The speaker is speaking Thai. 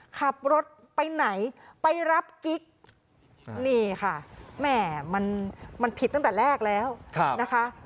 ขับรถไปไหนไปรับกิ๊กนี่ค่ะแหม่มันผิดตั้งแต่แรกแล้วนะคะ